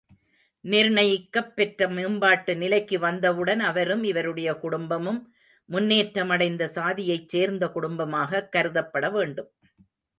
நிர்ணயிக்கப்பெற்ற மேம்பாட்டு நிலைக்கு வந்தவுடன் அவரும் இவருடைய குடும்பமும் முன்னேற்ற மடைந்த சாதியைச் சேர்ந்த குடும்பமாகக் கருதப்பட வேண்டும்.